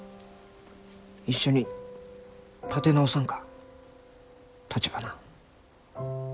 一緒に建て直さんかたちばな。